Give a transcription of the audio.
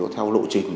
theo lộ trình